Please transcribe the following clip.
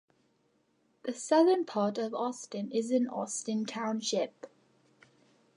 The southern part of Austin is in Austin Township.